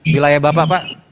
wilayah bapak pak